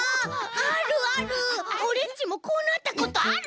オレっちもこうなったことある。